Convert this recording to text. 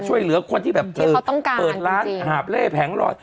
ช่วยเหลือคนที่แบบที่เขาต้องการเปิดร้านหาบเล่แผงลอย